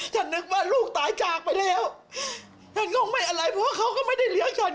ฉันนึกว่าลูกตายจากไปแล้วท่านก็ไม่อะไรเพราะเขาก็ไม่ได้เลี้ยงฉัน